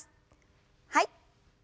はい。